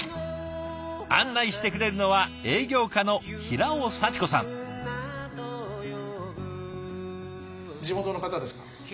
案内してくれるのは地元の方ですか？